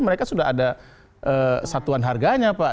mereka sudah ada satuan harganya pak